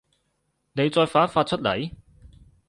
妳再發一發出嚟